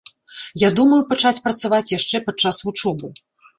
Я думаю пачаць працаваць яшчэ падчас вучобы.